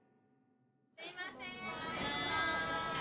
すいませーん！